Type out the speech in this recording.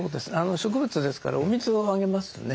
植物ですからお水をあげますね。